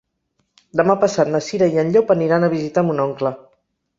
Demà passat na Cira i en Llop aniran a visitar mon oncle.